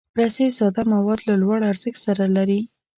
رسۍ ساده مواد له لوړ ارزښت سره لري.